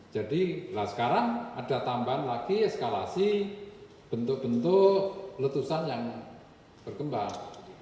jadi sekarang ada tambahan lagi eskalasi bentuk bentuk letusan yang berkembang